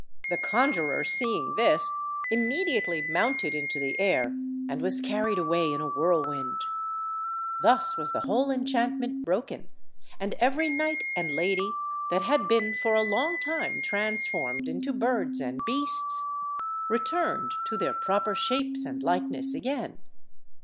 The conjuror, seeing this, immediately mounted into the air and was carried away in a whirlwind. Thus was the whole enchantment broken, and every knight and lady, that had been for a long time transformed into birds and beasts, returned to their proper shapes and likeness again.